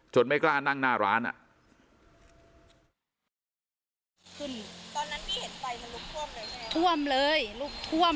ไม่กล้านั่งหน้าร้านอ่ะ